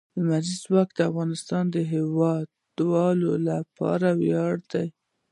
لمریز ځواک د افغانستان د هیوادوالو لپاره ویاړ دی.